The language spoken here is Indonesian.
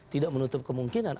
tidak menutup kemungkinan